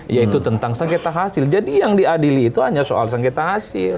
yaitu tentang sengketa hasil jadi yang diadili itu hanya soal sengketa hasil